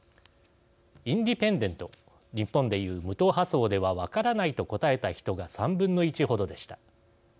インディペンデント日本で言う無党派層では分からないと答えた人が３分の１ほどでした。